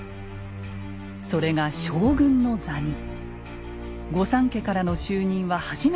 それが将軍の座に。